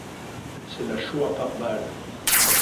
C'est la Shoah par balles.